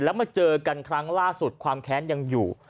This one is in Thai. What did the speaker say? แล้วมาเจอกันครั้งล่าสุดความแค้นยังอยู่